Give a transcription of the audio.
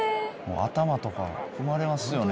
頭とか踏まれますよね